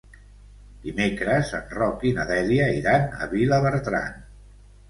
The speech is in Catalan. Dimecres en Roc i na Dèlia iran a Vilabertran.